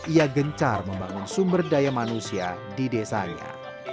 ia gencar membangun sumber daya manusia di desanya